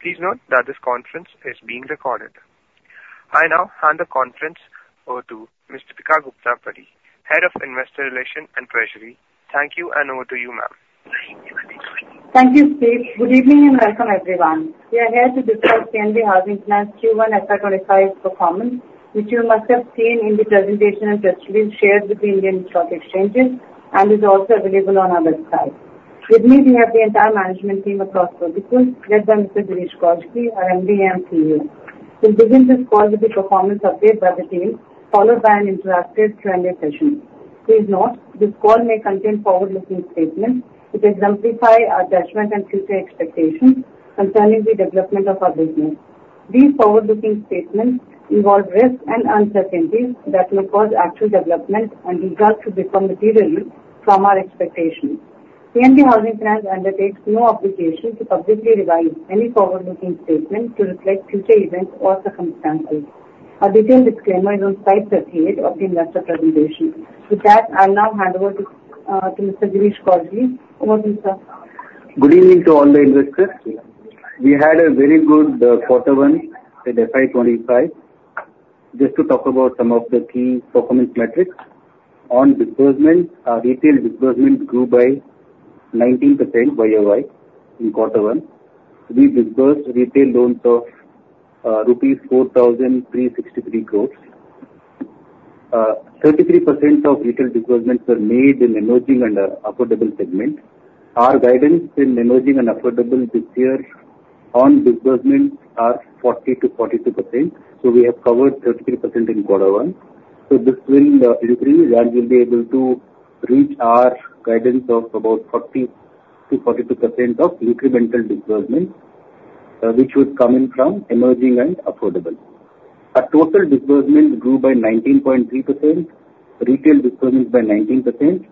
Please note that this conference is being recorded. I now hand the conference over to Ms. Deepika Gupta, Head of Investor Relations and Treasury. Thank you, and over to you, ma'am. Thank you, Steve. Good evening, and welcome, everyone. We are here to discuss PNB Housing Finance Q1 FY 2025 performance, which you must have seen in the presentation and press release shared with the Indian Stock Exchanges and is also available on our website. With me, we have the entire management team across, led by Mr. Girish Kousgi, our MD and CEO. We'll begin this call with the performance update by the team, followed by an interactive Q&A session. Please note, this call may contain forward-looking statements which exemplify our judgment and future expectations concerning the development of our business. These forward-looking statements involve risks and uncertainties that may cause actual development and results to differ materially from our expectations. PNB Housing Finance undertakes no obligation to publicly revise any forward-looking statements to reflect future events or circumstances. A detailed disclaimer is on slide 38 of the investor presentation. With that, I'll now hand over to Mr. Girish Kousgi. Over to you, sir. Good evening to all the investors. We had a very good quarter one in FY 2025. Just to talk about some of the key performance metrics. On disbursement, our retail disbursement grew by 19% year-over-year in quarter one. We disbursed retail loans of rupees 4,363 crore. Thirty-three percent of retail disbursements were made in emerging and affordable segments. Our guidance in emerging and affordable this year on disbursements are 40%-42%, so we have covered 33% in quarter one. So this will increase, and we'll be able to reach our guidance of about 40%-42% of incremental disbursements, which would come in from emerging and affordable. Our total disbursement grew by 19.3%, retail disbursements by 19%.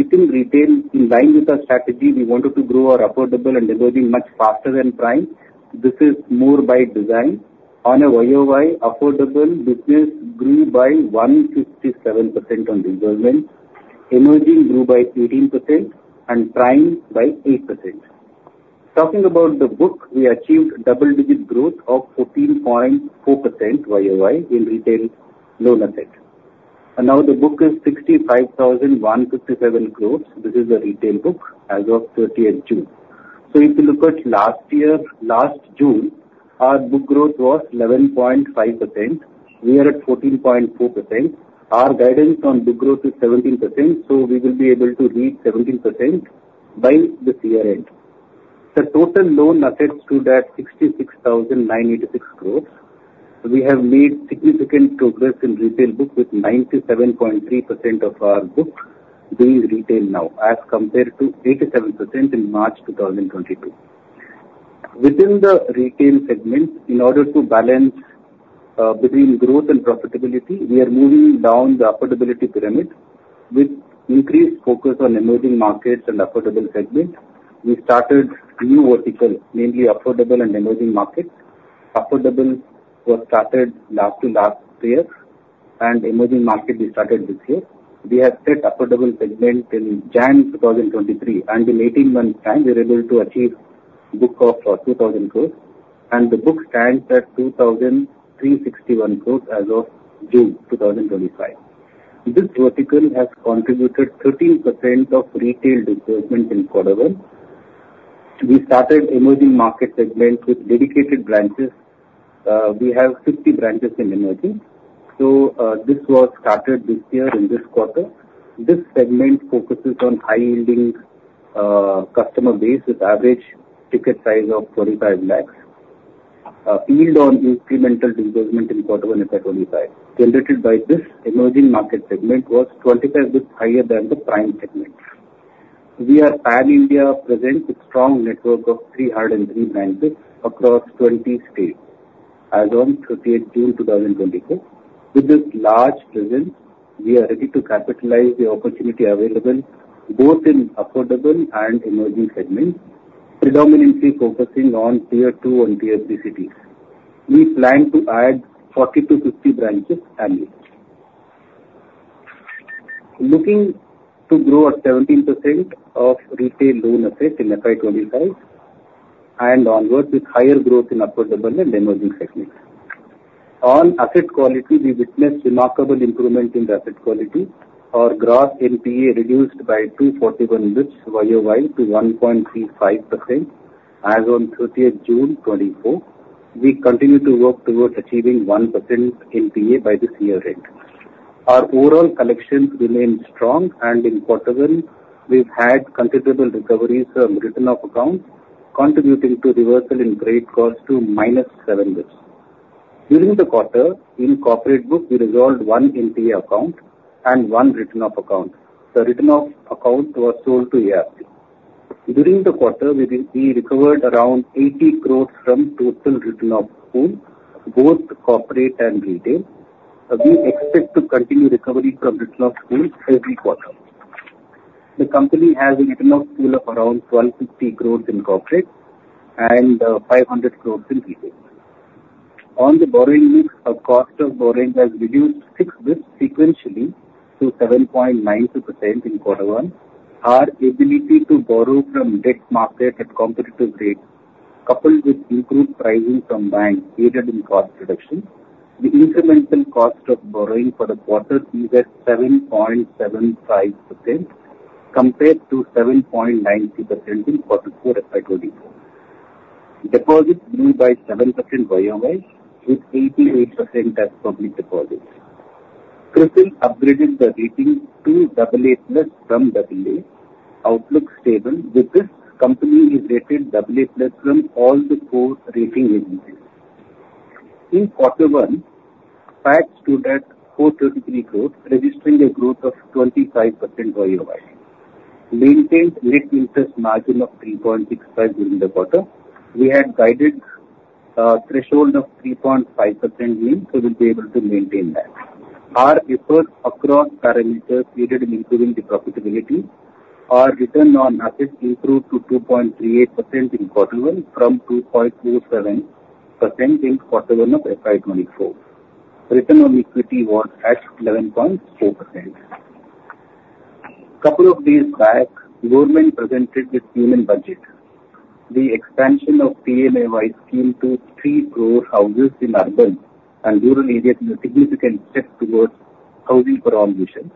Within retail, in line with our strategy, we wanted to grow our affordable and emerging much faster than prime. This is more by design. On a year-over-year, affordable business grew by 157% on disbursement, emerging grew by 18%, and prime by 8%. Talking about the book, we achieved double-digit growth of 14.4% year-over-year in retail loan assets. Now the book is 65,157 crore. This is the retail book as of thirtieth June. So if you look at last year, last June, our book growth was 11.5%. We are at 14.4%. Our guidance on book growth is 17%, so we will be able to reach 17% by this year end. The total loan assets stood at 66,986 crore. We have made significant progress in retail book, with 97.3% of our book being retail now, as compared to 87% in March 2022. Within the retail segment, in order to balance between growth and profitability, we are moving down the affordability pyramid with increased focus on emerging markets and affordable segments. We started a new vertical, namely Affordable and Emerging Markets. Affordable was started last to last year, and Emerging Market, we started this year. We have set affordable segment in January 2023, and in 18 months' time, we are able to achieve book of 2,000 crore, and the book stands at 2,361 crore as of June 2025. This vertical has contributed 13% of retail disbursements in quarter one. We started emerging market segment with dedicated branches. We have 50 branches in emerging. This was started this year in this quarter. This segment focuses on high-yielding customer base, with average ticket size of 45 lakh. Yield on incremental disbursement in quarter one, FY 2025, generated by this emerging market segment, was 25 basis points higher than the prime segment. We are pan-India present with strong network of 303 branches across 20 states as on 30th June 2024. With this large presence, we are ready to capitalize the opportunity available both in affordable and emerging segments, predominantly focusing on Tier Two and Tier Three cities. We plan to add 40-50 branches annually. Looking to grow at 17% of retail loan assets in FY 2025 and onwards, with higher growth in affordable and emerging segments. On asset quality, we witnessed remarkable improvement in the asset quality. Our gross NPA reduced by 241 basis points year-over-year to 1.35% as on thirtieth June 2024. We continue to work towards achieving 1% NPA by this year end. Our overall collections remain strong, and in quarter one, we've had considerable recoveries from written-off accounts, contributing to reversal in credit costs to minus 7 basis points. During the quarter, in corporate book, we resolved 1 NPA account and 1 written-off account. The written-off account was sold to ARC. During the quarter, we recovered around 80 crore from total written-off pool, both corporate and retail. We expect to continue recovery from written-off pool every quarter. The company has a written-off pool of around 150 crore in corporate and 500 crore in retail. On the borrowing mix, our cost of borrowing has reduced six basis points sequentially to 7.92% in quarter one. Our ability to borrow from debt market at competitive rates, coupled with improved pricing from banks, aided in cost reduction. The incremental cost of borrowing for the quarter is at 7.75%, compared to 7.92% in quarter four FY 2024. Deposits grew by 7% year-over-year, with 88% as public deposits. CRISIL upgraded the rating to AA+ from AA, outlook stable. With this, company is rated AA+ from all four rating agencies. In quarter one, PAT at 433 crore, registering a growth of 25% year-over-year. Maintained net interest margin of 3.65% during the quarter. We had guided a threshold of 3.5% NIM, so we'll be able to maintain that. Our effort across parameters aided in improving the profitability. Our return on assets improved to 2.38% in quarter one from 2.07% in quarter one of FY 2024. Return on equity was at 11.4%. Couple of days back, government presented its union budget. The expansion of PMAY scheme to three crore houses in urban and rural areas is a significant step towards housing for all missions.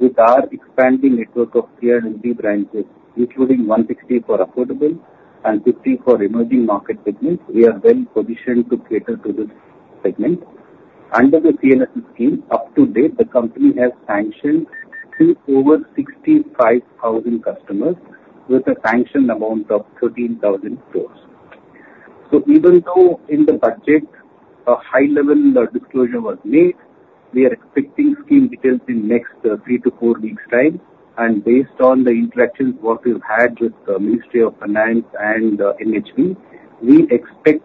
With our expanding network of 300 branches, including 160 for affordable and 50 for emerging market segments, we are well positioned to cater to this segment. Under the PMAY scheme, to date, the company has sanctioned to over 65,000 customers with a sanctioned amount of 13,000 crore. So even though in the budget a high level, disclosure was made, we are expecting scheme details in next 3-4 weeks' time. And based on the interactions what we've had with the Ministry of Finance and, NHB, we expect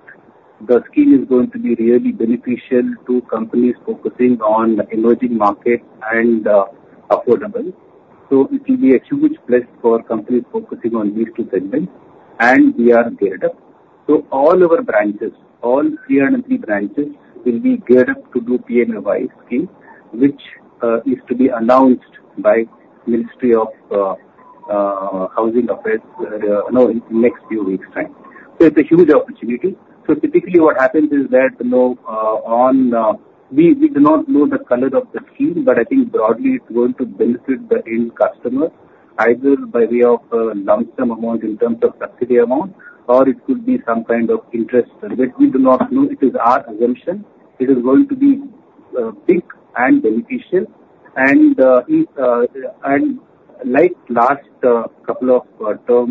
the scheme is going to be really beneficial to companies focusing on emerging market and, affordable. So it will be a huge plus for companies focusing on these two segments, and we are geared up. So all our branches, all 300 branches, will be geared up to do PMAY scheme, which, is to be announced by Ministry of Housing and Urban Affairs, you know, in next few weeks' time. So it's a huge opportunity. So typically, what happens is that, you know, we do not know the color of the scheme, but I think broadly it's going to benefit the end customer, either by way of a lump sum amount in terms of subsidy amount, or it could be some kind of interest. That we do not know. It is our assumption it is going to be big and beneficial. And like last couple of term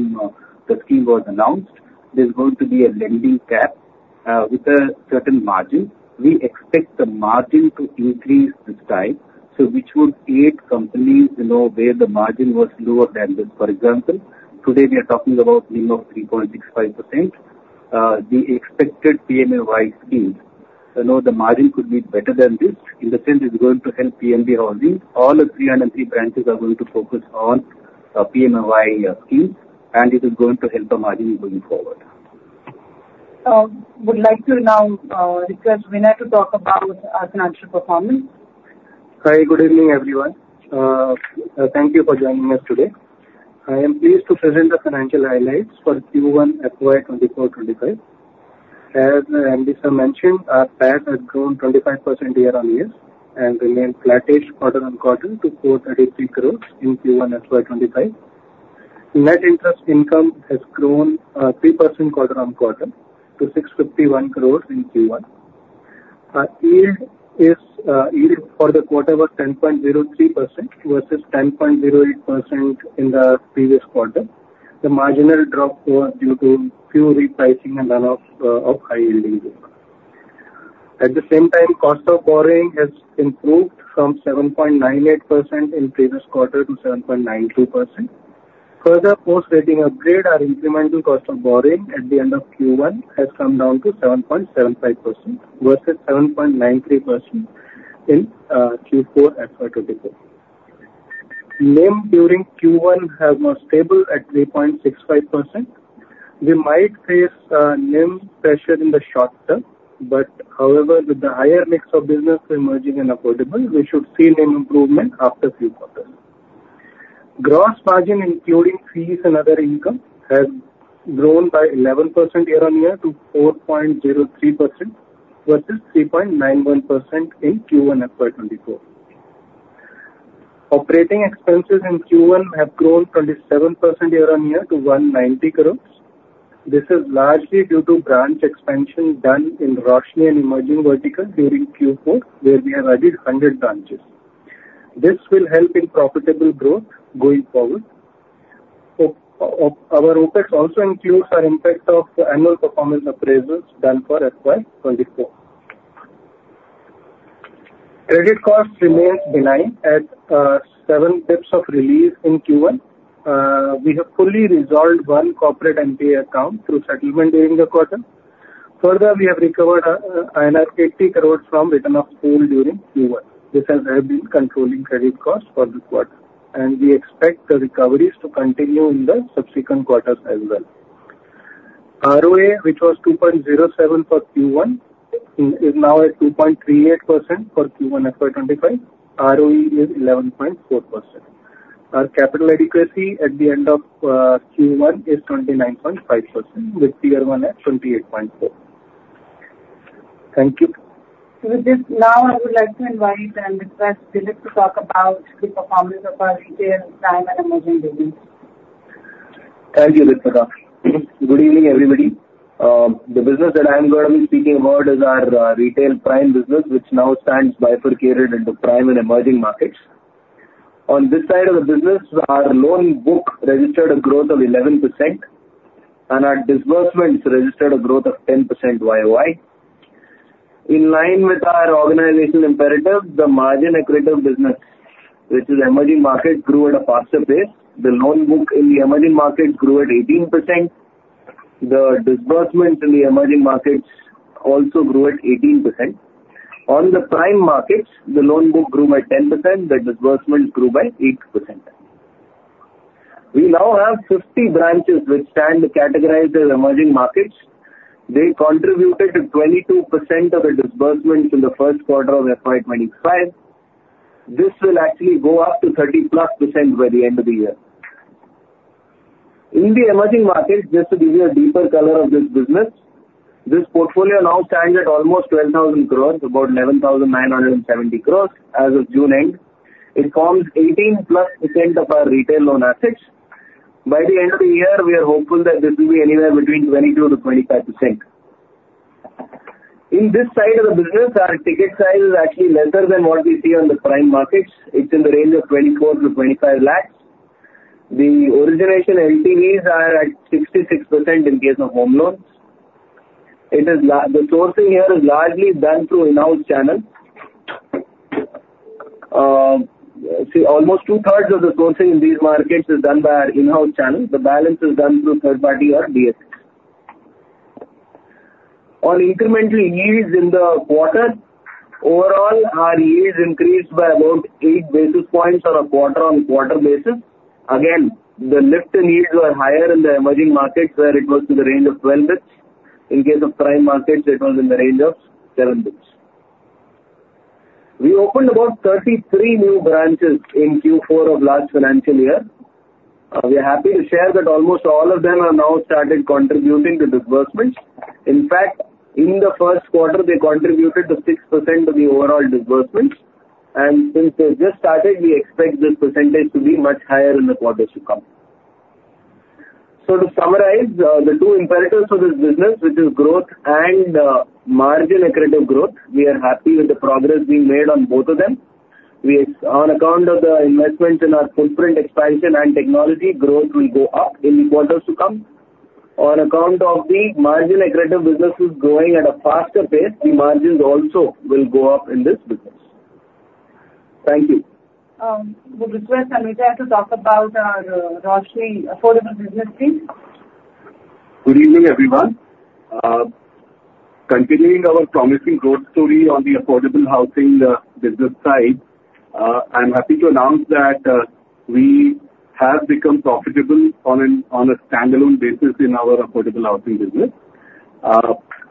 the scheme was announced, there's going to be a lending cap with a certain margin. We expect the margin to increase this time, so which would aid companies, you know, where the margin was lower than this. For example, today, we are talking about NIM of 3.65%. The expected PMAY scheme, you know, the margin could be better than this. In the sense it's going to help PNB Housing. All the 300 branches are going to focus on PMAY scheme, and it is going to help the margin going forward. Would like to now, request Vinay to talk about our financial performance. Hi, good evening, everyone. Thank you for joining us today. I am pleased to present the financial highlights for Q1 FY 2024-2025. As Deepika mentioned, our PAT has grown 25% year-on-year and remained flattish quarter-on-quarter to INR 433 crore in Q1 FY 2024-2025. Net interest income has grown three percent quarter-on-quarter to 651 crore in Q1. Our yield for the quarter was 10.03% versus 10.08% in the previous quarter. The marginal drop was due to pure repricing and run-off of high-yielding growth. At the same time, cost of borrowing has improved from 7.98% in previous quarter to 7.92%. Further, post rating upgrade, our incremental cost of borrowing at the end of Q1 has come down to 7.75% versus 7.93% in Q4 FY 2024. NIM during Q1 have more stable at 3.65%. We might face NIM pressure in the short term, but however, with the higher mix of business in emerging and affordable, we should see NIM improvement after three quarters. Gross margin, including fees and other income, has grown by 11% year-on-year to 4.03%, versus 3.91% in Q1 FY 2024. Operating expenses in Q1 have grown 27% year-on-year to 190 crore. This is largely due to branch expansion done in Roshni and emerging verticals during Q4, where we added 100 branches. This will help in profitable growth going forward. So our OpEx also includes our impact of annual performance appraisals done for FY 2024. Credit cost remains benign at 7 basis points of relief in Q1. We have fully resolved one corporate NPA account through settlement during the quarter. Further, we have recovered 80 crore from written-off pool during Q1. This has helped in controlling credit costs for this quarter, and we expect the recoveries to continue in the subsequent quarters as well. ROA, which was 2.07 for Q1, is now at 2.38% for Q1 FY 2025. ROE is 11.4%. Our capital adequacy at the end of Q1 is 29.5%, with Tier 1 at 28.4. Thank you. With this, now I would like to invite and request Dilip to talk about the performance of our retail prime and emerging business. Thank you, Deepika. Good evening, everybody. The business that I'm gonna be speaking about is our retail prime business, which now stands bifurcated into prime and emerging markets. On this side of the business, our loan book registered a growth of 11%, and our disbursements registered a growth of 10% year-over-year. In line with our organizational imperative, the margin accretive business, which is emerging market, grew at a faster pace. The loan book in the emerging market grew at 18%. The disbursements in the emerging markets also grew at 18%. On the prime markets, the loan book grew by 10%, the disbursement grew by 8%. We now have 50 branches which stand categorized as emerging markets. They contributed 22% of the disbursements in the first quarter of FY 2025. This will actually go up to 30+% by the end of the year. In the emerging markets, just to give you a deeper color of this business, this portfolio now stands at almost 12,000 crore, about 11,970 crore as of June end. It forms 18+% of our retail loan assets. By the end of the year, we are hopeful that this will be anywhere between 22%-25%. In this side of the business, our ticket size is actually lesser than what we see on the prime markets. It's in the range of 24-25 lakh. The origination LTVs are at 66% in case of home loans. The sourcing here is largely done through in-house channels. See, almost two-thirds of the sourcing in these markets is done by our in-house channels. The balance is done through third party or DSAs. On incremental yields in the quarter, overall, our yields increased by about 8 basis points on a quarter-on-quarter basis. Again, the lift in yields were higher in the emerging markets, where it was in the range of 12 basis points. In case of prime markets, it was in the range of 7 basis points. We opened about 33 new branches in Q4 of last financial year. We are happy to share that almost all of them are now started contributing to disbursements. In fact, in the first quarter, they contributed to 6% of the overall disbursements, and since they just started, we expect this percentage to be much higher in the quarters to come. So to summarize, the two imperatives for this business, which is growth and margin accretive growth, we are happy with the progress we made on both of them. On account of the investments in our footprint, expansion, and technology, growth will go up in the quarters to come. On account of the margin accretive businesses growing at a faster pace, the margins also will go up in this business. Thank you. We request Sameer to talk about our largely affordable business, please. Good evening, everyone. Continuing our promising growth story on the affordable housing business side, I'm happy to announce that we have become profitable on a standalone basis in our affordable housing business.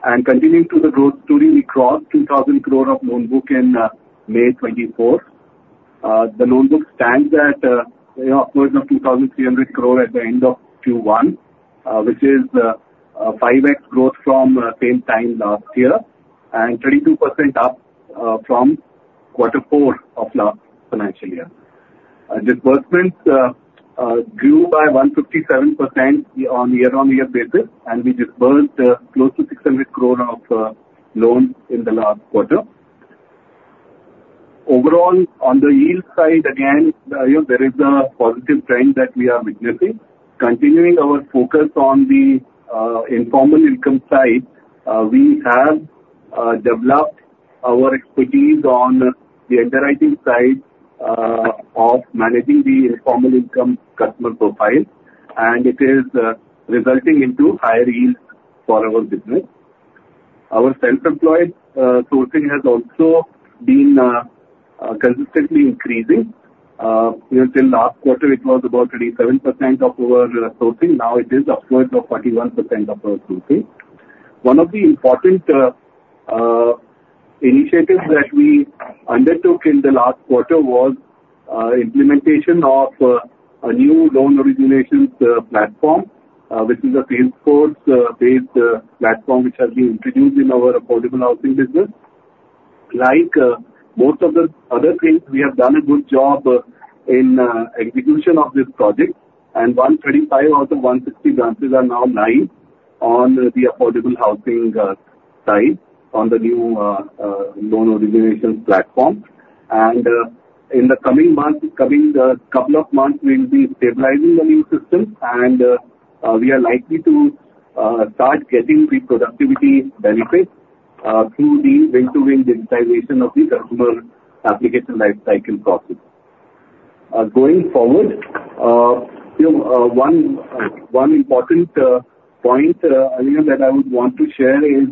And continuing to the growth story, we crossed 2,000 crore of loan book in May 2024. The loan book stands at, you know, upwards of 2,300 crore at the end of Q1, which is a 5x growth from same time last year, and 32% up from quarter four of last financial year. Disbursements grew by 157% on year-on-year basis, and we disbursed close to 600 crore of loans in the last quarter. Overall, on the yield side, again, you know, there is a positive trend that we are witnessing. Continuing our focus on the informal income side, we have developed our expertise on the underwriting side of managing the informal income customer profile, and it is resulting into higher yields for our business. Our self-employed sourcing has also been consistently increasing. You know, till last quarter, it was about 37% of our sourcing. Now it is upwards of 41% of our sourcing. One of the important initiatives that we undertook in the last quarter was implementation of a new loan origination platform, which is a Salesforce-based platform, which has been introduced in our affordable housing business. Like most of the other things, we have done a good job in execution of this project, and 135 out of 160 branches are now live on the affordable housing side, on the new loan originations platform. And in the coming months, coming couple of months, we'll be stabilizing the new system and we are likely to start getting the productivity benefits through the end-to-end digitization of the customer application lifecycle process. Going forward, you know, one important point I think that I would want to share is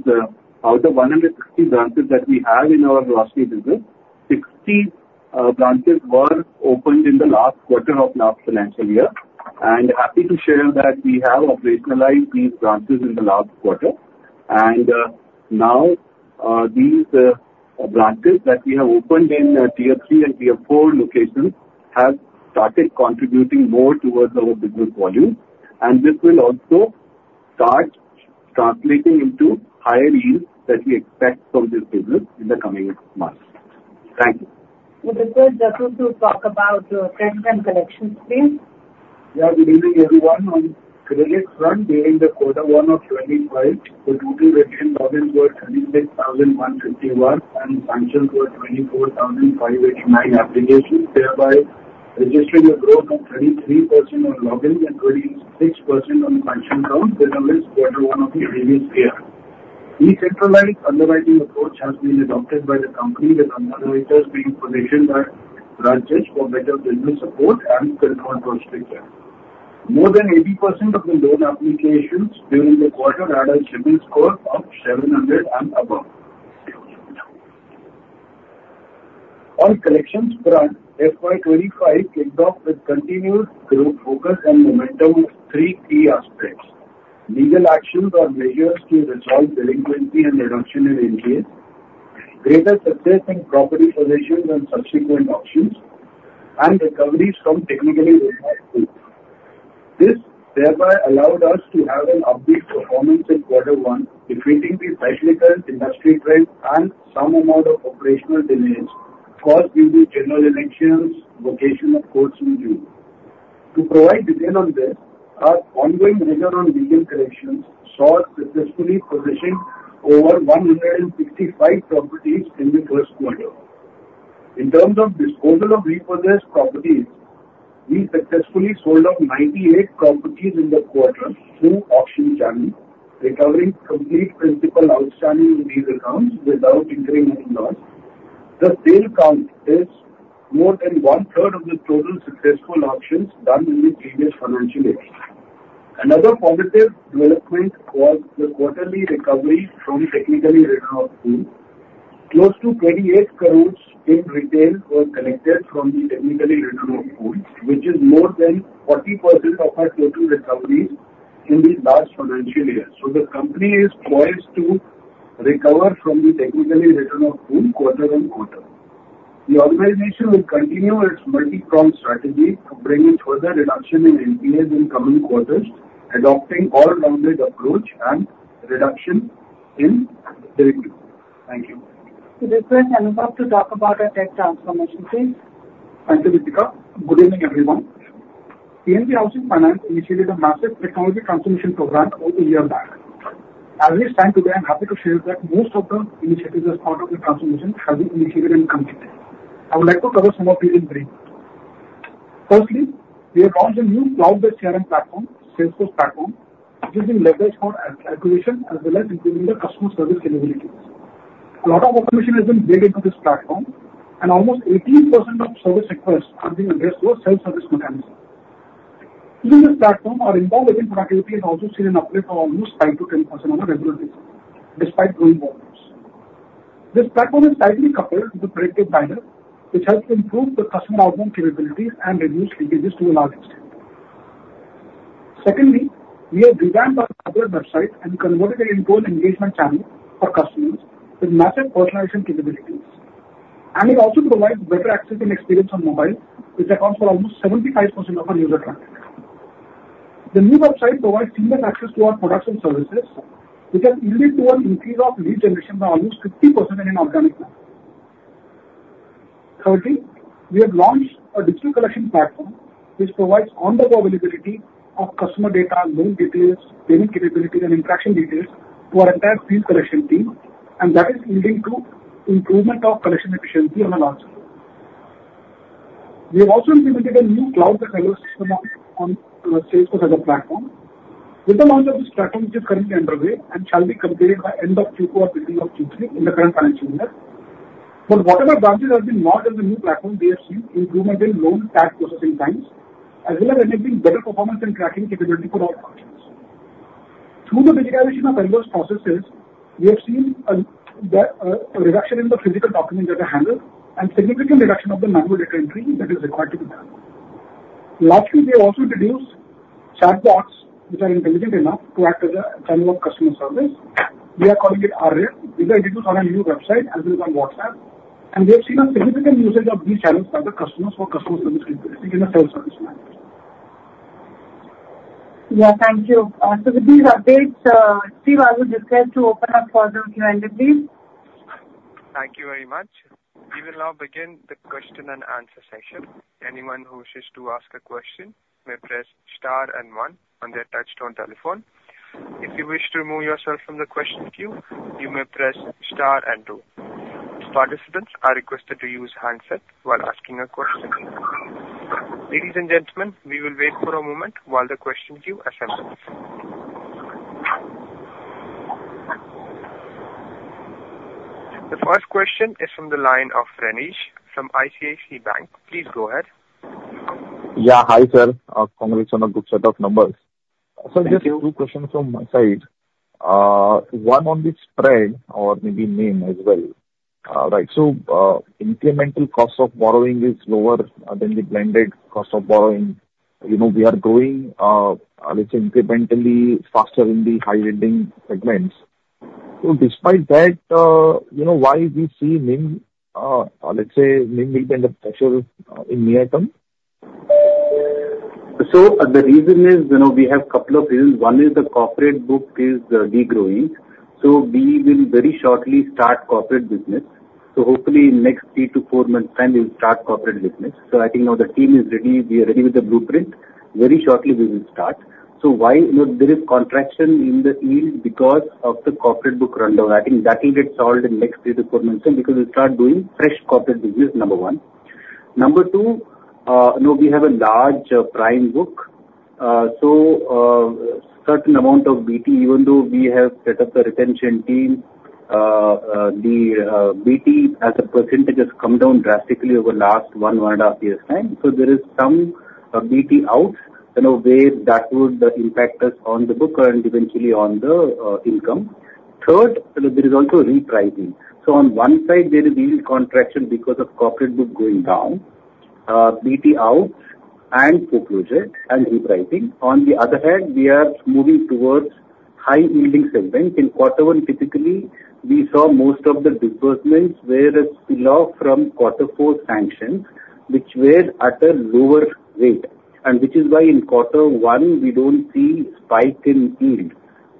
out of 160 branches that we have in our Roshni business, 60 branches were opened in the last quarter of last financial year. And happy to share that we have operationalized these branches in the last quarter. Now, these branches that we have opened in Tier Three and Tier Four locations have started contributing more towards our business volume, and this will also start translating into higher yields that we expect from this business in the coming months. Thank you. With respect, Jatul, to talk about your trends and collections, please. Yeah, good evening, everyone. On credit front, during the quarter one of 2025, the total retained logins were 36,151, and sanctions were 24,589 applications, thereby registering a growth of 33% on logins and 26% on sanction count than last quarter one of the previous year. Decentralized underwriting approach has been adopted by the company, with underwriters being positioned by branches for better business support and customer trust repair. More than 80% of the loan applications during the quarter had a CIBIL score of 700 and above. On collections front, FY 2025 kicked off with continuous growth, focus, and momentum of three key aspects: legal actions or measures to resolve delinquency and reduction in NPAs, greater success in property possessions and subsequent auctions, and recoveries from technically written-off pools. This thereby allowed us to have an upbeat performance in quarter one, defeating the cyclical industry trends and some amount of operational delays caused due to general elections, vacation of courts in June. To provide detail on this, our ongoing measure on legal collections saw successfully possessing over 165 properties in the first quarter. In terms of disposal of repossessed properties, we successfully sold off 98 properties in the quarter through auction channel, recovering complete principal outstanding in these accounts without incurring any loss. The sale count is more than one-third of the total successful auctions done in the previous financial year. Another positive development was the quarterly recovery from the technically written-off pool. Close to 28 crore in retail were collected from the technically written-off pool, which is more than 40% of our total recoveries in the last financial year. So the company is poised to recover from the technically Written-off Pool quarter on quarter. The organization will continue its multi-pronged strategy of bringing further reduction in NPAs in coming quarters, adopting all-around approach and reduction in delinquency. Thank you. With this, Anubhav, to talk about our tech transformation, please. Thank you, Deepika. Good evening, everyone. PNB Housing Finance initiated a massive technology transformation program over a year back. As we stand today, I'm happy to share that most of the initiatives as part of the transformation have been initiated and completed. I would like to cover some of these in brief. Firstly, we have launched a new cloud-based CRM platform, Salesforce platform, which is being leveraged for acquisition as well as improving the customer service capabilities. A lot of automation has been built into this platform, and almost 80% of service requests are being addressed through a self-service mechanism. Using this platform, our involved agent productivity has also seen an uplift of almost 5%-10% on a regular basis, despite growing volumes. This platform is tightly coupled with the predictive dialer, which helps to improve the customer outbound capabilities and reduce leakages to a large extent. Secondly, we have revamped our public website and converted it into an engagement channel for customers with massive personalization capabilities. And it also provides better access and experience on mobile, which accounts for almost 75% of our user traffic. The new website provides seamless access to our products and services, which has yielded to an increase of lead generation by almost 50% in an organic manner. Thirdly, we have launched a digital collection platform, which provides on-the-go availability of customer data, loan details, payment capabilities, and interaction details to our entire field collection team, and that is leading to improvement of collection efficiency on a large scale. We have also implemented a new cloud-based system on Salesforce as a platform. With the launch of this platform, which is currently underway and shall be completed by end of Q4, beginning of Q3 in the current financial year. For whatever branches have been marked as a new platform, we have seen improvement in loan tax processing times, as well as enabling better performance and tracking capability for all functions. Through the digitization of various processes, we have seen a reduction in the physical documents that are handled and significant reduction of the manual data entry that is required to be done. Lastly, we have also introduced chatbots, which are intelligent enough to act as a channel of customer service. We are calling it Aria. These are introduced on our new website, as well as on WhatsApp, and we have seen a significant usage of these channels by the customers for customer service in a self-service manner. Yeah, thank you. So with these updates, Steve, I would just like to open up floor to you end, please. Thank you very much. We will now begin the question and answer session. Anyone who wishes to ask a question may press star and one on their touchtone telephone. If you wish to remove yourself from the question queue, you may press star and two. Participants are requested to use handset while asking a question. Ladies and gentlemen, we will wait for a moment while the question queue assembles. The first question is from the line of Renish from ICICI Bank. Please go ahead. Yeah. Hi, sir. Congratulations on a good set of numbers. Thank you. So just a few questions from my side. One on the spread, or maybe NIM as well. Right, so, incremental cost of borrowing is lower than the blended cost of borrowing. You know, we are growing, let's say, incrementally faster in the high-yielding segments. So despite that, you know, why we see NIM, or let's say, NIM will be under pressure in the near term? So the reason is, you know, we have couple of reasons. One is the corporate book is degrowing. So we will very shortly start corporate business. So hopefully, in next 3-4 months' time, we'll start corporate business. So I think now the team is ready. We are ready with the blueprint. Very shortly, we will start. So why, you know, there is contraction in the yield because of the corporate book rundown. I think that will get solved in next 3-4 months, because we'll start doing fresh corporate business, number one. Number two, you know, we have a large prime book. So certain amount of BT, even though we have set up a retention team, the BT as a percentage has come down drastically over the last 1.5 years' time. So there is some BT out, you know, ways that would impact us on the book and eventually on the income. Third, you know, there is also repricing. So on one side, there is yield contraction because of corporate book going down, BT out, and foreclosures and repricing. On the other hand, we are moving towards high-yielding segments. In quarter one, typically, we saw most of the disbursements were a spill off from quarter four sanctions, which were at a lower rate, and which is why in quarter one, we don't see spike in yield.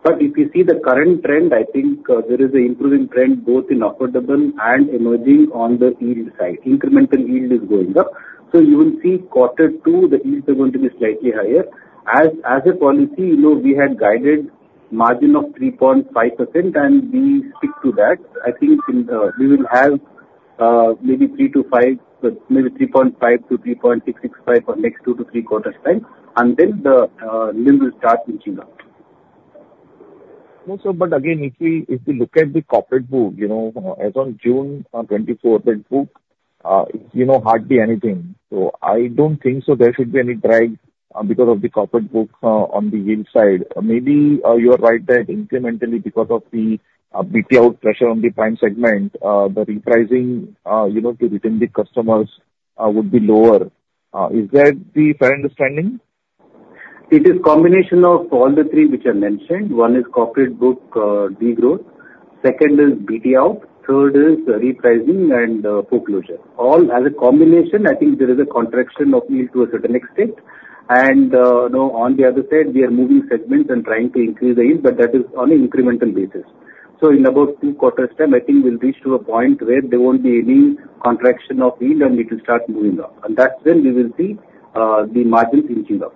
But if you see the current trend, I think there is an improving trend both in affordable and emerging on the yield side. Incremental yield is going up. So you will see quarter two, the yields are going to be slightly higher. As a policy, you know, we had guided margin of 3.5%, and we stick to that. I think we will have maybe 3%-5%, maybe 3.5%-3.665% for next two to three quarters' time, and then the NIM will start inching up. No, sir, but again, if we, if we look at the corporate book, you know, as on June twenty-fourth, that book, you know, hardly anything. So I don't think so there should be any drag because of the corporate book on the yield side. Maybe you are right that incrementally, because of the BT out pressure on the prime segment, the repricing, you know, to retain the customers would be lower. Is that the fair understanding? It is combination of all the three which I mentioned. One is corporate book, degrowth, second is BT out, third is repricing and, foreclosure. All as a combination, I think there is a contraction of yield to a certain extent. And, you know, on the other side, we are moving segments and trying to increase the yield, but that is on an incremental basis. So in about two quarters' time, I think we'll reach to a point where there won't be any contraction of yield and it will start moving up, and that's when we will see, the margins inching up.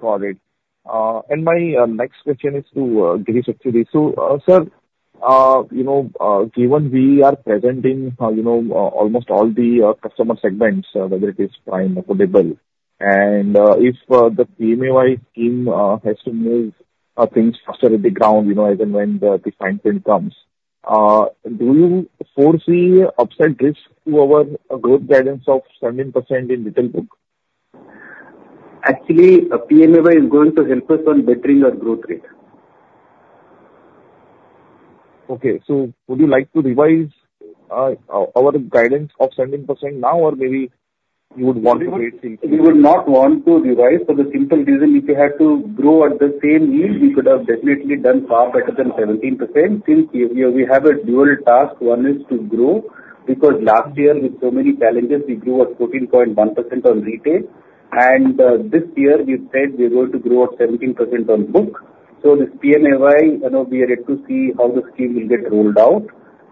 Got it. And my next question is to Girish actually. So, sir, you know, given we are present in, you know, almost all the customer segments, whether it is prime, affordable, and if the PMAY scheme has to move things faster on the ground, you know, even when the refinance comes, do you foresee upside risks to our growth guidance of 17% in retail book? Actually, PMAY is going to help us on bettering our growth rate. Okay, so would you like to revise our guidance of 17% now, or maybe you would want to wait and see? We would not want to revise for the simple reason, if we had to grow at the same yield, we could have definitely done far better than 17%. Since we have a dual task, one is to grow, because last year, with so many challenges, we grew at 14.1% on retail. And this year we've said we're going to grow at 17% on book. So this PMAY, you know, we are yet to see how the scheme will get rolled out.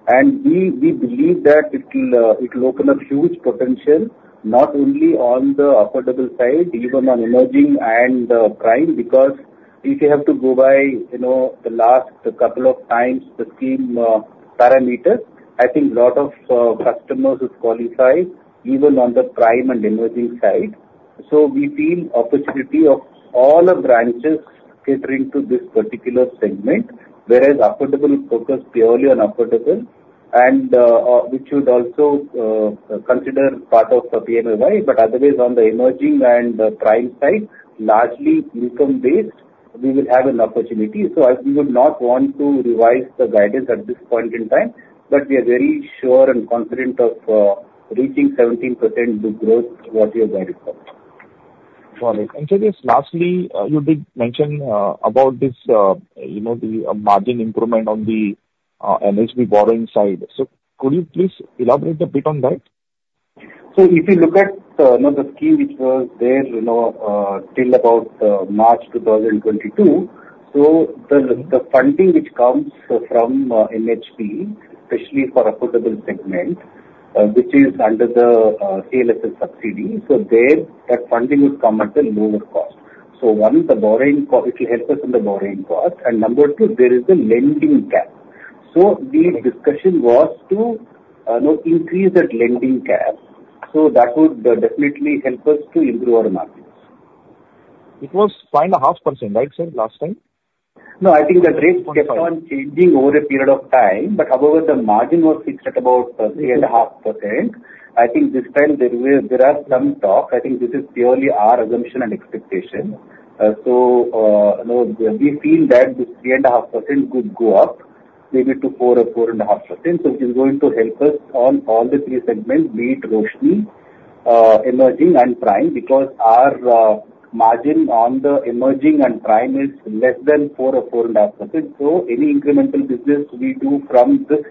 And we believe that it will open up huge potential, not only on the affordable side, even on emerging and prime. Because if you have to go by, you know, the last couple of times the scheme parameters, I think a lot of customers would qualify, even on the prime and emerging side. So we see opportunity of all our branches catering to this particular segment, whereas affordable is focused purely on affordable and which would also consider part of the PMAY. But otherwise, on the emerging and the prime side, largely income-based, we will have an opportunity. So I, we would not want to revise the guidance at this point in time, but we are very sure and confident of reaching 17% book growth, what we have guided for. Got it. Just lastly, you did mention about this, you know, the margin improvement on the NHB borrowing side. Could you please elaborate a bit on that? So if you look at, you know, the scheme which was there, you know, till about, March 2022, so the, the funding which comes from, NHB, especially for affordable segment, which is under the, CLSS subsidy, so there, that funding would come at a lower cost. So one, the borrowing cost, it will help us in the borrowing cost, and number two, there is a lending cap. So the discussion was to, you know, increase that lending cap, so that would, definitely help us to improve our margins. It was 5.5%, right, sir, last time? No, I think the rates kept on changing over a period of time, but however, the margin was fixed at about 3.5%. I think this time there is, there are some talk. I think this is purely our assumption and expectation. So, you know, we feel that this 3.5% could go up maybe to 4% or 4.5%. So it is going to help us on all the three segments, meet Roshni, emerging and prime, because our margin on the emerging and prime is less than 4% or 4.5%. So any incremental business we do from this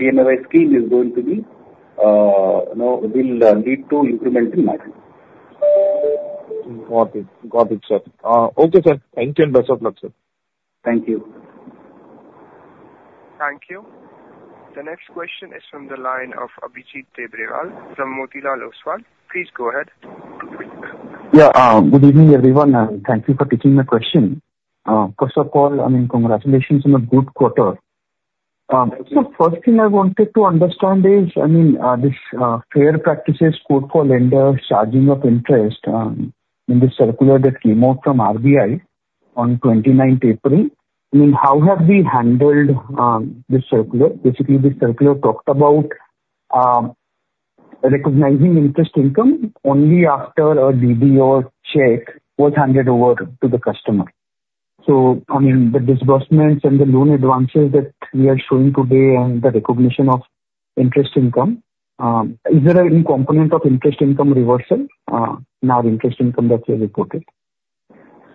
PMAY scheme is going to be, you know, will lead to incremental margin. Got it. Got it, sir. Okay, sir. Thank you, and best of luck, sir. Thank you. Thank you. The next question is from the line of Abhijit Tibrewal from Motilal Oswal. Please go ahead. Yeah, good evening, everyone, and thank you for taking my question. First of all, I mean, congratulations on a good quarter. So first thing I wanted to understand is, I mean, this fair practices code for lenders charging of interest in the circular that came out from RBI on twenty-ninth April, I mean, how have we handled this circular? Basically, this circular talked about recognizing interest income only after a DD or check was handed over to the customer. So, I mean, the disbursements and the loan advances that we are showing today and the recognition of interest income, is there any component of interest income reversal in our interest income that we have reported?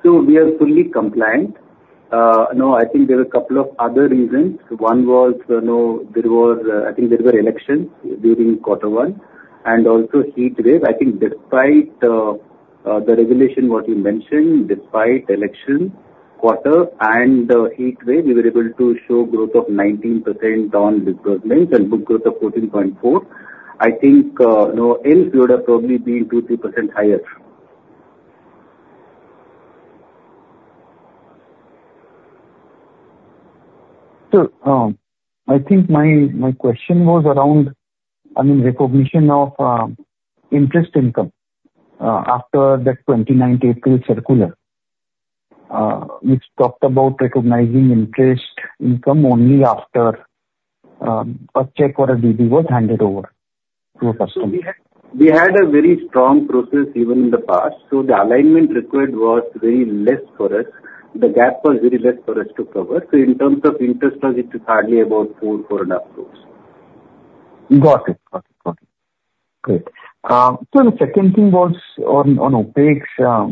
So we are fully compliant. No, I think there are a couple of other reasons. One was, you know, there was, I think there were elections during quarter one, and also heat wave. I think despite the regulation what you mentioned, despite election quarter and heat wave, we were able to show growth of 19% on disbursements and book growth of 14.4. I think, you know, else we would have probably been 2-3% higher. So, I think my question was around, I mean, recognition of interest income after that 29th April circular, which talked about recognizing interest income only after a check or a DD was handed over to a customer. We had a very strong process even in the past, so the alignment required was very less for us. The gap was very less for us to cover. So in terms of interest, it was hardly about 4-4.5 crore. Got it. Got it. Got it. Great. So the second thing was on OpEx.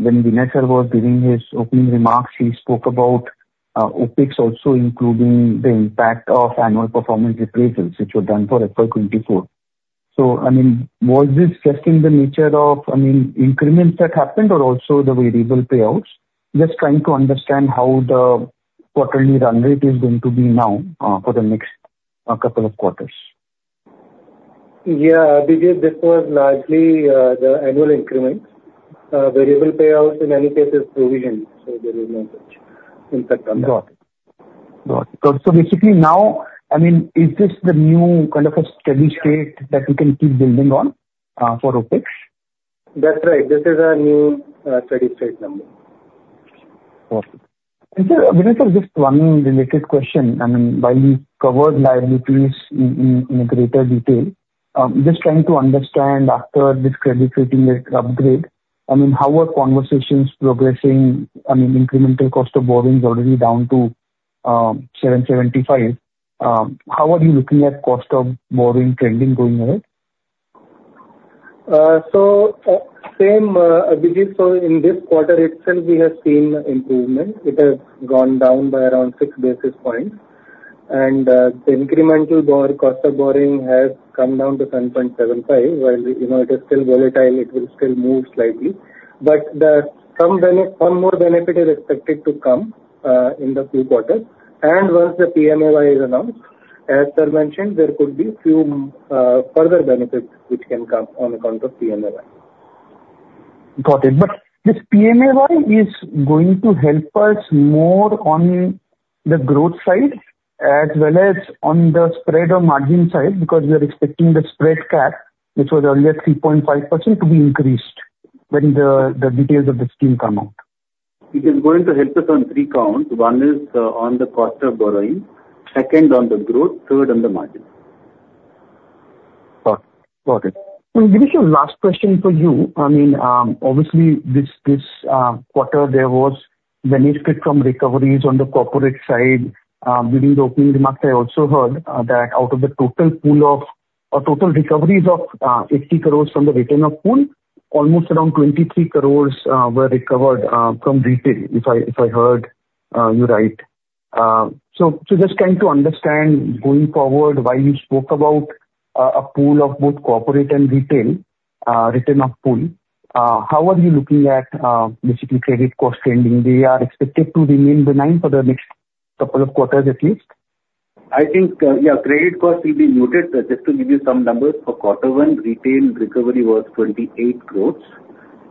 When Vinay sir was giving his opening remarks, he spoke about OpEx also including the impact of annual performance appraisals, which were done for FY 2024. So, I mean, was this reflecting the nature of, I mean, increments that happened or also the variable payouts? Just trying to understand how the quarterly run rate is going to be now for the next couple of quarters. Yeah, because this was largely the annual increments. Variable payouts in many cases provision, so there is no such impact on that. Got it. Got it. So, basically, now, I mean, is this the new kind of a steady state that we can keep building on for OpEx? That's right. This is our new, steady state number. Got it. Sir, Vinay sir, just one related question. I mean, while we covered liabilities in greater detail, just trying to understand after this credit rating upgrade, I mean, how are conversations progressing? I mean, incremental cost of borrowing is already down to 775. How are you looking at cost of borrowing trending going ahead? So, same, Abhijit, so in this quarter itself, we have seen improvement. It has gone down by around six basis points, and the incremental borrowing cost of borrowing has come down to 10.75. While you know, it is still volatile, it will still move slightly, but one more benefit is expected to come in the few quarters. And once the PMAY is announced, as sir mentioned, there could be few further benefits which can come on account of PMAY. Got it. But this PMAY is going to help us more on the growth side as well as on the spread or margin side, because we are expecting the spread cap, which was earlier 3.5%, to be increased when the details of the scheme come out. It is going to help us on three counts. One is, on the cost of borrowing, second, on the growth, third, on the margin. Got it. Got it. So Vinay sir, last question for you. I mean, obviously, this quarter, there was benefit from recoveries on the corporate side. During the opening remarks, I also heard that out of the total pool of or total recoveries of 80 crore from the written-off pool, almost around 23 crore were recovered from retail, if I heard you right. So just trying to understand going forward, while you spoke about a pool of both corporate and retail written-off pool, how are you looking at basically credit cost trending? They are expected to remain benign for the next couple of quarters, at least? I think, yeah, credit cost will be muted. Just to give you some numbers, for quarter one, retail recovery was 28 crore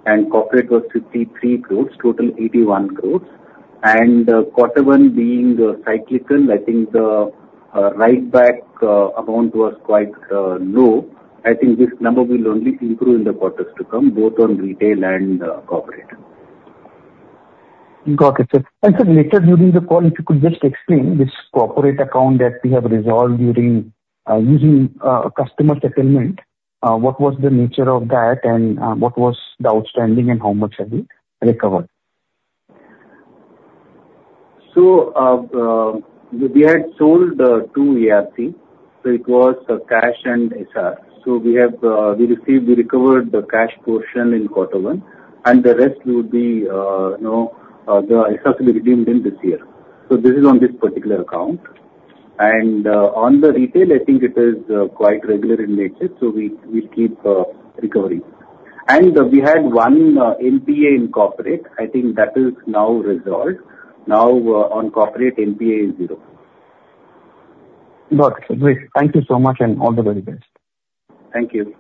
and corporate was 53 crore, total 81 crore... and, quarter one being the cyclical, I think the write back amount was quite low. I think this number will only improve in the quarters to come, both on retail and corporate. Got it, sir. And so later during the call, if you could just explain which corporate account that we have resolved during using customer settlement, what was the nature of that? And what was the outstanding, and how much have we recovered? So, we had sold 2 ARC, so it was cash and SR. So we have, we received—we recovered the cash portion in quarter one, and the rest will be, you know, the SR will be redeemed in this year. So this is on this particular account. And, on the retail, I think it is quite regular in nature, so we, we keep recovering. And we had 1 NPA in corporate. I think that is now resolved. Now, on corporate, NPA is zero. Got it. Great. Thank you so much, and all the very best. Thank you.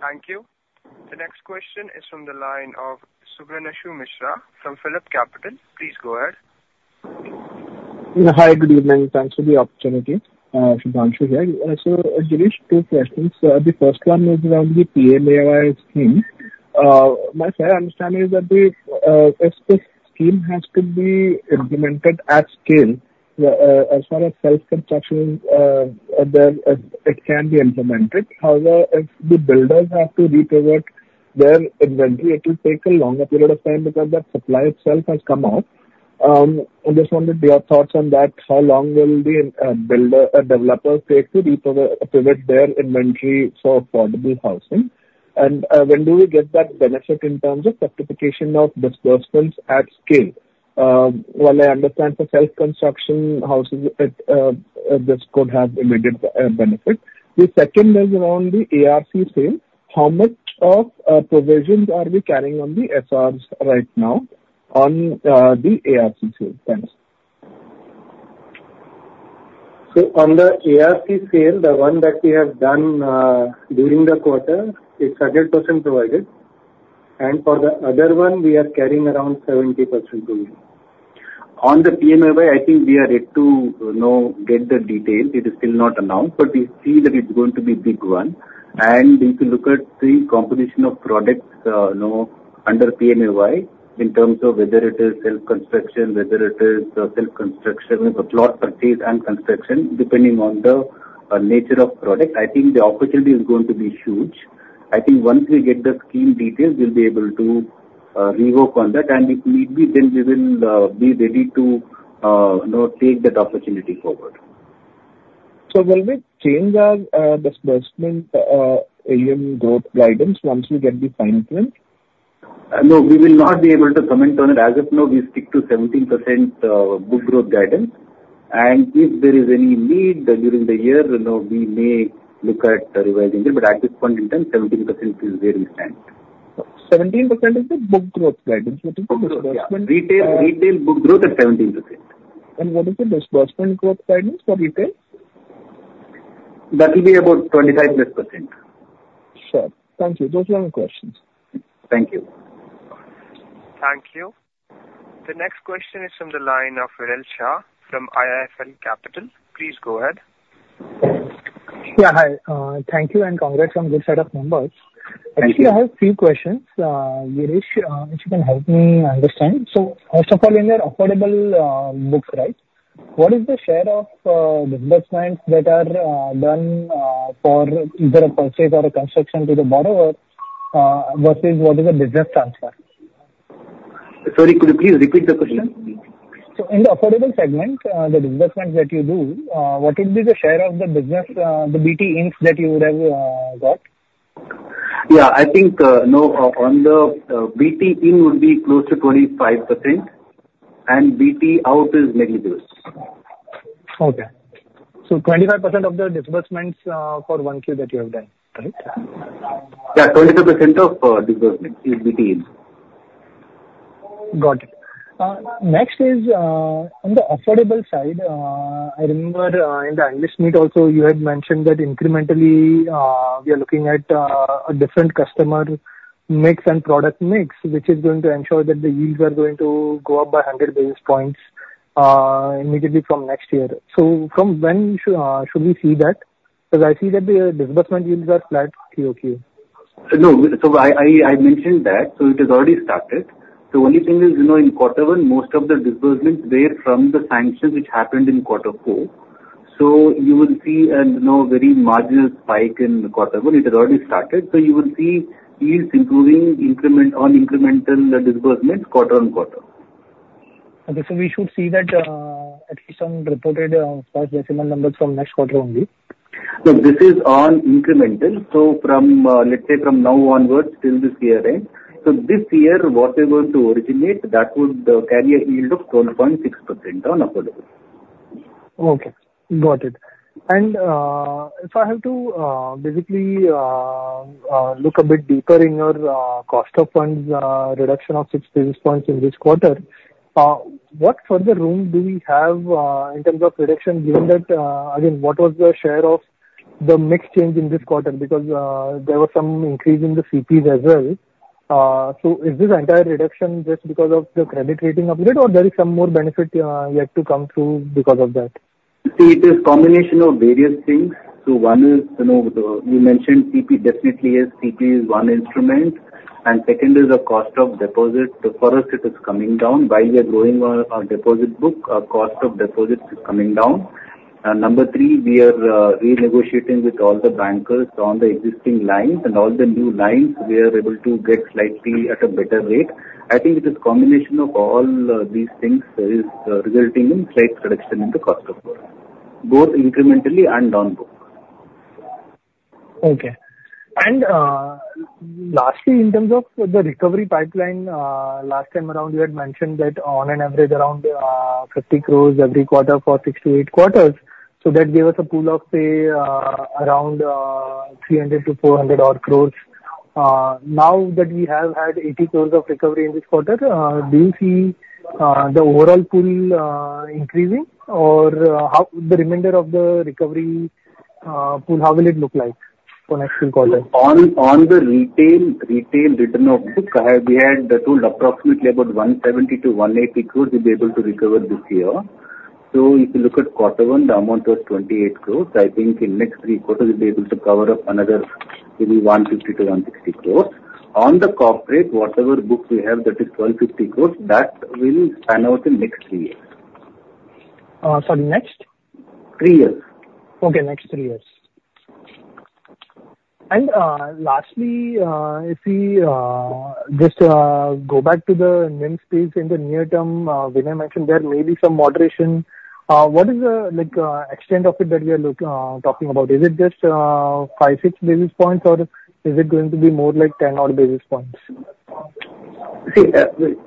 Thank you. The next question is from the line of Shubhranshu Mishra from PhillipCapital. Please go ahead. Hi, good evening, and thanks for the opportunity. Shubhranshu here. So, Girish, two questions. The first one is around the PMAY scheme. My fair understanding is that the, as the scheme has to be implemented at scale, as far as self-construction, then it can be implemented. However, if the builders have to revert their inventory, it will take a longer period of time because that supply itself has come out. I just wanted your thoughts on that. How long will the builder developers take to repower, pivot their inventory for affordable housing? And, when do we get that benefit in terms of certification of disbursements at scale? While I understand for self-construction houses, it this could have immediate benefit. The second is around the ARC sale. How much of provisions are we carrying on the SRs right now on the ARC sale? Thanks. So on the ARC sale, the one that we have done during the quarter, it's 100% provided, and for the other one, we are carrying around 70% provision. On the PMAY, I think we are yet to, you know, get the details. It is still not announced, but we see that it's going to be big one. And if you look at the composition of products, you know, under PMAY, in terms of whether it is self-construction, whether it is self-construction, plot purchase and construction, depending on the nature of product, I think the opportunity is going to be huge. I think once we get the scheme details, we'll be able to rework on that, and if need be, then we will, you know, be ready to take that opportunity forward. Will we change our disbursement AUM growth guidance once we get the fine print? No, we will not be able to comment on it. As of now, we stick to 17% book growth guidance, and if there is any need during the year, you know, we may look at revising it, but at this point in time, 17% is where we stand. 17% is the book growth guidance? Book growth, yeah. Disbursement, uh- Retail, retail book growth at 17%. What is the disbursement growth guidance for retail? That will be about 25%+. Sure. Thank you. Those were my questions. Thank you. Thank you. The next question is from the line of Viral Shah from IIFL Capital. Please go ahead. Yeah, hi, thank you, and congrats on good set of numbers. Thank you. Actually, I have a few questions, Girish, if you can help me understand. So first of all, in your affordable books, right, what is the share of disbursements that are done for either a purchase or a construction to the borrower versus what is a balance transfer? Sorry, could you please repeat the question? In the affordable segment, the disbursements that you do, what would be the share of the business, the BTs that you would have got? Yeah, I think, you know, on the, BT in would be close to 25%, and BT out is negligible. Okay. So 25% of the disbursements for one Q that you have done, correct? Yeah, 25% of disbursement is BT in. Got it. Next is on the affordable side. I remember in the analyst meet also, you had mentioned that incrementally we are looking at a different customer mix and product mix, which is going to ensure that the yields are going to go up by 100 basis points immediately from next year. So from when should we see that? Because I see that the disbursement yields are flat QOQ. No, so I mentioned that, so it has already started. The only thing is, you know, in quarter one, most of the disbursements were from the sanctions which happened in quarter four. So you will see, you know, very marginal spike in quarter one. It has already started, so you will see yields improving increment, on incremental disbursements quarter on quarter. Okay, so we should see that, at least on reported, first decimal numbers from next quarter only. No, this is on incremental, so from, let's say from now onwards till this year end. So this year, what we're going to originate, that would carry a yield of 12.6% on affordable. Okay, got it. And if I have to basically look a bit deeper in your cost of funds reduction of 6 basis points in this quarter, what further room do we have in terms of reduction, given that again what was the share of the mix change in this quarter, because there was some increase in the CPs as well. So is this entire reduction just because of the credit rating upgrade, or there is some more benefit yet to come through because of that? See, it is a combination of various things. So one is, you know, the one you mentioned, CP, definitely CP is one instrument, and second is the cost of deposit. For us, it is coming down. While we are growing our deposit book, our cost of deposits is coming down. Number three, we are renegotiating with all the bankers on the existing lines, and all the new lines we are able to get slightly at a better rate. I think it is a combination of all these things resulting in slight reduction in the cost of deposit, both incrementally and down book. Okay. Lastly, in terms of the recovery pipeline, last time around, you had mentioned that on average, around 50 crore every quarter for six to eight quarters, so that gave us a pool of, say, around 300-400 crore. Now that we have had 80 crore of recovery in this quarter, do you see the overall pool increasing? Or how the remainder of the recovery pool will look like for next few quarters? On the retail return of books, I have... We had told approximately about 170 crore-180 crore we'll be able to recover this year. So if you look at quarter one, the amount was 28 crore. I think in next three quarters, we'll be able to cover up another maybe 150 crore-160 crore. On the corporate, whatever books we have, that is 150 crore, that will pan out in next three years. Sorry, next? Three years. Okay, next three years. Lastly, if we just go back to the NIM space in the near term, Vinay mentioned there may be some moderation. What is the, like, extent of it that we are talking about? Is it just 5, 6 basis points, or is it going to be more like 10 odd basis points? See,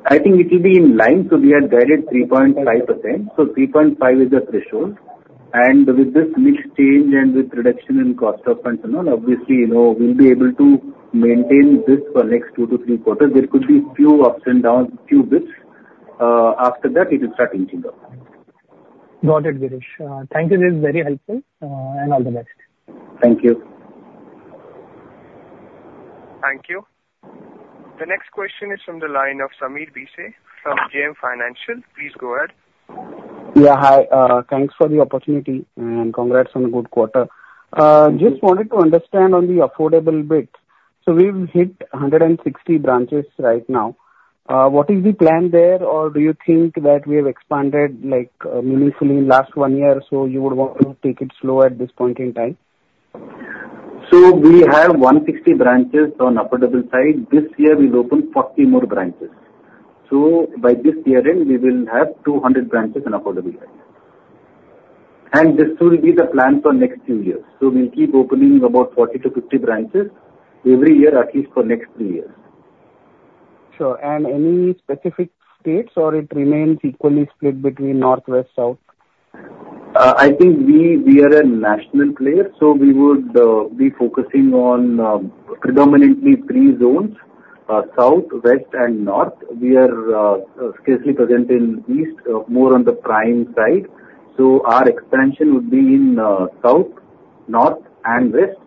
I think it will be in line, so we have guided 3.5%, so 3.5 is the threshold. And with this mix change and with reduction in cost of funds and all, obviously, you know, we'll be able to maintain this for next two to three quarters. There could be few ups and downs, few bps. After that, it will start inching up. Got it, Girish. Thank you, this is very helpful, and all the best. Thank you. Thank you. The next question is from the line of Sameer Bhise from JM Financial. Please go ahead. Yeah, hi. Thanks for the opportunity, and congrats on good quarter. Just wanted to understand on the affordable bit. So we've hit 160 branches right now. What is the plan there, or do you think that we have expanded, like, meaningfully in last one year, so you would want to take it slow at this point in time? We have 160 branches on affordable side. This year, we'll open 40 more branches. By this year end, we will have 200 branches on affordable side. This will be the plan for next 2 years. We'll keep opening about 40-50 branches every year, at least for next 3 years. Sure. Any specific states, or it remains equally split between North, West, South? I think we are a national player, so we would be focusing on predominantly three zones, South, West and North. We are scarcely present in East, more on the prime side. So our expansion would be in South, North and West.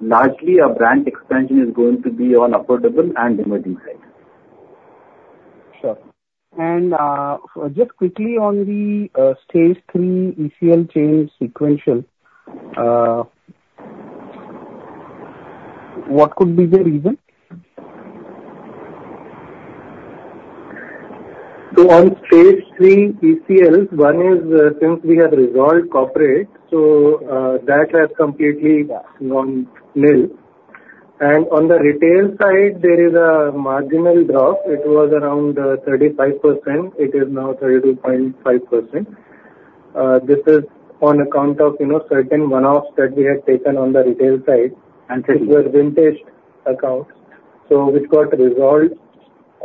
Largely, our branch expansion is going to be on affordable and emerging side. Sure. And, just quickly on the stage three ECL change sequential, what could be the reason? So on stage three ECLs, one is, since we have resolved corporate, so, that has completely gone nil. And on the retail side, there is a marginal drop. It was around 35%. It is now 32.5%. This is on account of, you know, certain one-offs that we had taken on the retail side- Understood. It was vintage accounts, so which got resolved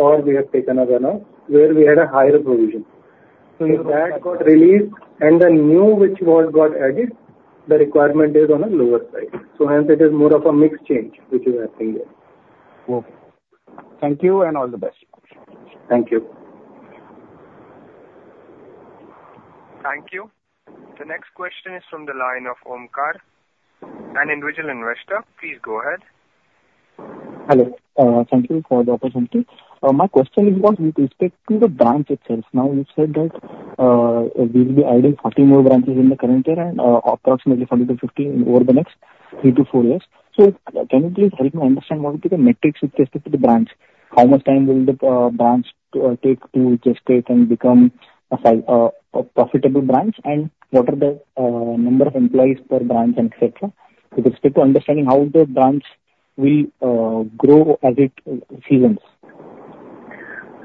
or we have taken a one-off, where we had a higher provision. So if that got released and the new which was got added, the requirement is on a lower side. So hence, it is more of a mix change which is happening there. Okay. Thank you, and all the best. Thank you. Thank you. The next question is from the line of Omkar, an individual investor. Please go ahead. Hello, thank you for the opportunity. My question is with respect to the branch itself. Now, you said that we will be adding 40 more branches in the current year and approximately 40-50 over the next 3-4 years. So can you please help me understand what is the metrics with respect to the branch? How much time will the branch take to gestate and become a profitable branch, and what are the number of employees per branch and et cetera, with respect to understanding how the branch will grow as it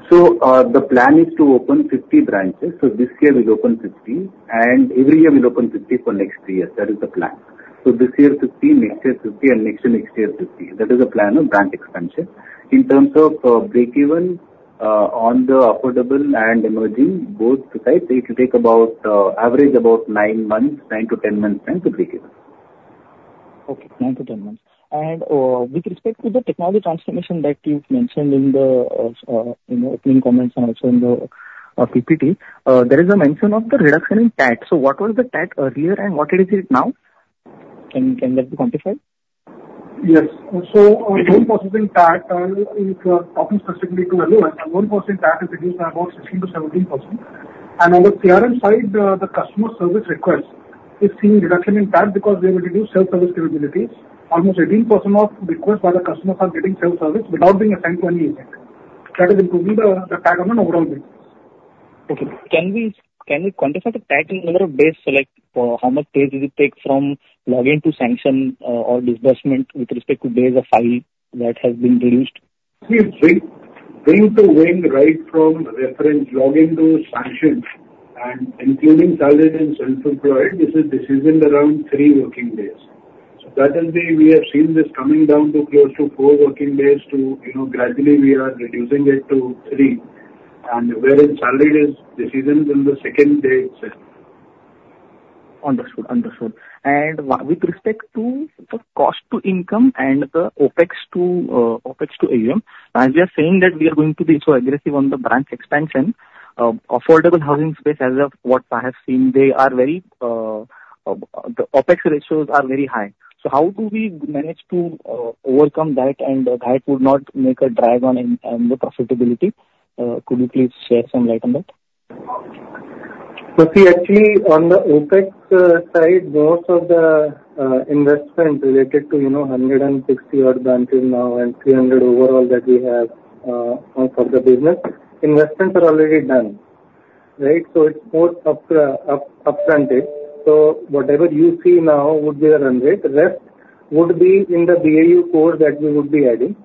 ceases? The plan is to open 50 branches. This year we'll open 50, and every year we'll open 50 for next 3 years. That is the plan. This year, 50, next year, 50, and next to next year, 50. That is the plan of branch expansion. In terms of break even on the affordable and emerging, both sides, it will take about average about nine months, nine to 10 months time to break even. Okay, 9-10 months. And, with respect to the technology transformation that you've mentioned in your opening comments and also in the—or PPT, there is a mention of the reduction in TAT. So what was the TAT earlier, and what is it now? Can that be quantified? Yes. So our loan processing TAT, if you are talking specifically to LO, our loan processing TAT is reduced by about 16%-17%. And on the CRM side, the customer service request is seeing reduction in TAT because we have reduced self-service capabilities. Almost 18% of requests by the customers are getting self-service without being assigned to any agent. That is improving the TAT on an overall basis. Okay, can we, can we quantify the TAT in number of days? So like, how much days does it take from login to sanction, or disbursement with respect to days of file that has been reduced? We bring to end right from reference login to sanction, including salaried and self-employed. This is decision around three working days. So that is why we have seen this coming down to close to four working days. You know, gradually we are reducing it to three, and whereas salaried decisions in the second day itself. Understood, understood. With respect to the cost to income and the OpEx to OpEx to AUM, as we are saying that we are going to be so aggressive on the branch expansion, affordable housing space as of what I have seen, they are very, the OpEx ratios are very high. So how do we manage to overcome that, and that would not make a drag on the profitability? Could you please shed some light on that? So see, actually, on the OpEx side, most of the investment related to, you know, 160 odd branches now and 300 overall that we have for the business, investments are already done, right? So it's more up, up, up fronted. So whatever you see now would be the run rate. Rest would be in the BAU core that we would be adding,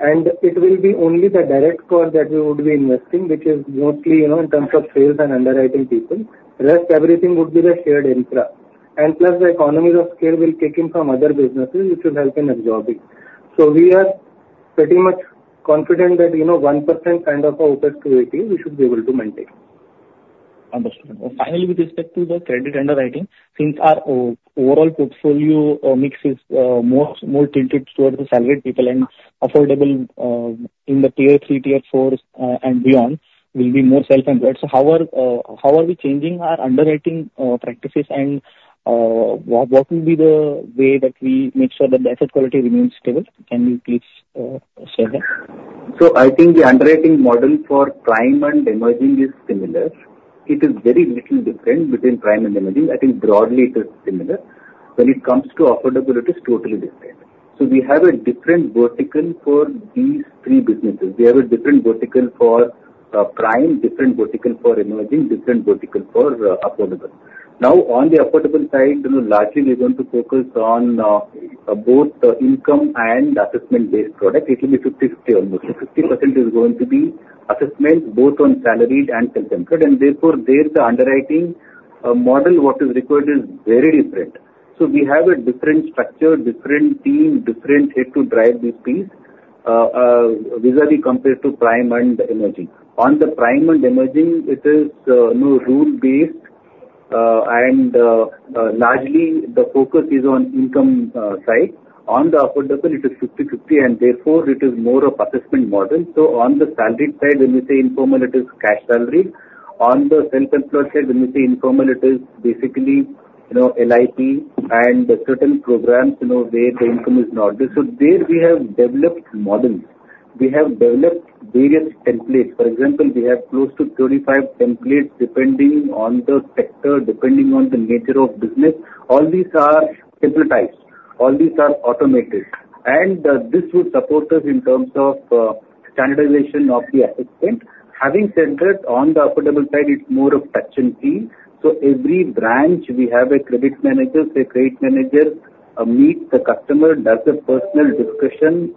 and it will be only the direct cost that we would be investing, which is mostly, you know, in terms of sales and underwriting people. Rest, everything would be the shared infra. And plus, the economies of scale will kick in from other businesses, which will help in absorbing. So we are pretty much confident that, you know, 1% kind of a OpEx to AP, we should be able to maintain. Understood. Finally, with respect to the credit underwriting, since our overall portfolio mix is more tilted towards the salaried people and affordable in the tier three, tier four and beyond, will be more self-employed. How are we changing our underwriting practices, and what will be the way that we make sure that the asset quality remains stable? Can you please share that? So I think the underwriting model for prime and emerging is similar. It is very little different between prime and emerging. I think broadly it is similar. When it comes to affordable, it is totally different. So we have a different vertical for these three businesses. We have a different vertical for, prime, different vertical for emerging, different vertical for, affordable. Now, on the affordable side, you know, largely we're going to focus on, both the income and assessment-based product. It will be 50/50 almost. So 50% is going to be assessment, both on salaried and self-employed, and therefore, there, the underwriting, model, what is required is very different. So we have a different structure, different team, different head to drive this piece, vis-a-vis compared to prime and emerging. On the prime and emerging, it is, you know, rule-based, and largely the focus is on income side. On the affordable, it is 50/50, and therefore, it is more of assessment model. So on the salaried side, when you say informal, it is cash salary. On the self-employed side, when you say informal, it is basically, you know, LIP and certain programs, you know, where the income is not. So there we have developed models. We have developed various templates. For example, we have close to 35 templates, depending on the sector, depending on the nature of business. All these are centralized, all these are automated, and this would support us in terms of standardization of the assessment. Having said that, on the affordable side, it's more of touch and feel. So every branch, we have a credit manager. The credit manager meets the customer, does a personal discussion,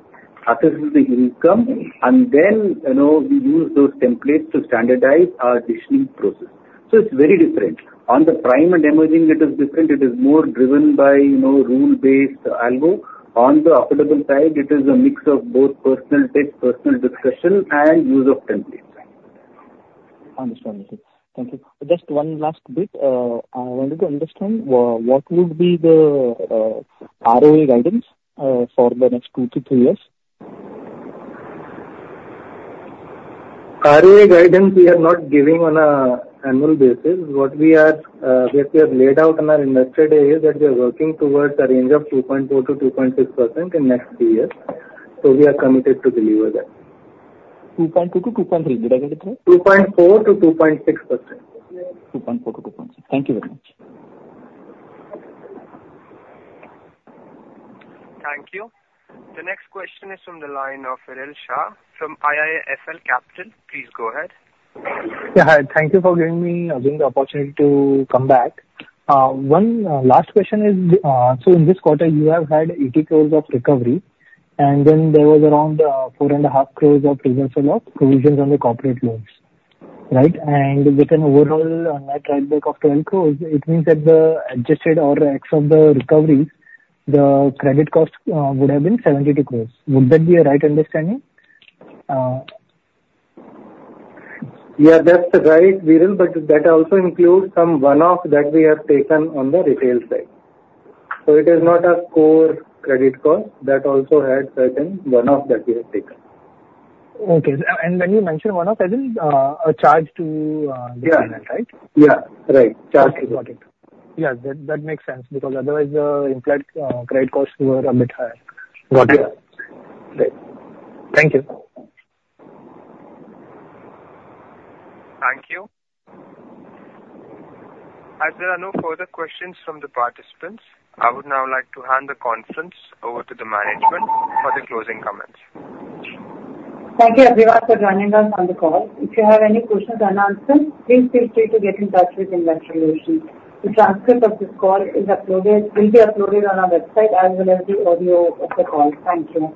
assesses the income, and then, you know, we use those templates to standardize our decisioning process. So it's very different. On the prime and emerging, it is different. It is more driven by, you know, rule-based algo. On the affordable side, it is a mix of both personal touch, personal discussion, and use of templates. Understand, thank you. Just one last bit. I wanted to understand what would be the ROA guidance for the next two to three years? ROA guidance, we are not giving on an annual basis. What we are, what we have laid out on our Investor Day is that we are working towards a range of 2.4%-2.6% in next three years, so we are committed to deliver that. 2.2-2.3, did I get it right? 2.4%-2.6% 2.4 to 2.6. Thank you very much. Thank you. The next question is from the line of Viral Shah from IIFL Capital. Please go ahead. Yeah, hi. Thank you for giving me, giving the opportunity to come back. One last question is, so in this quarter, you have had 80 crore of recovery, and then there was around, four and a half crores of provisions loss, provisions on the corporate loans, right? And with an overall, net write back of 12 crore, it means that the adjusted or ex of the recovery, the credit cost, would have been 72 crore. Would that be a right understanding? Yeah, that's right, Viral, but that also includes some one-off that we have taken on the retail side. So it is not a core credit cost, that also had certain one-off that we have taken. Okay. And when you mention one-off, is it a charge to Yeah. right? Yeah, right. Charge Okay, got it. Yeah, that, that makes sense, because otherwise the implied, credit costs were a bit higher. Yeah. Got it. Great. Thank you. Thank you. As there are no further questions from the participants, I would now like to hand the conference over to the management for the closing comments. Thank you everyone for joining us on the call. If you have any questions unanswered, please feel free to get in touch with Investor Relations. The transcript of this call is uploaded, will be uploaded on our website, as well as the audio of the call. Thank you.